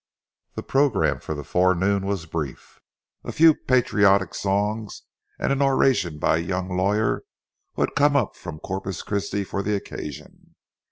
The programme for the forenoon was brief—a few patriotic songs and an oration by a young lawyer who had come up from Corpus Christi for the occasion.